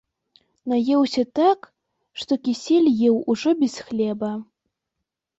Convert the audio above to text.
Наеўся так, што кісель еў ужо без хлеба.